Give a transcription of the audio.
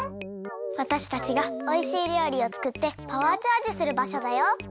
わたしたちがおいしいりょうりをつくってパワーチャージするばしょだよ。